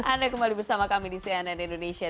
anda kembali bersama kami di cnn indonesia